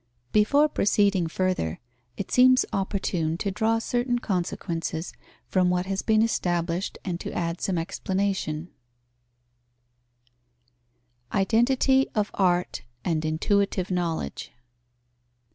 _ Before proceeding further, it seems opportune to draw certain consequences from what has been established and to add some explanation. _Identity of art and intuitive knowledge.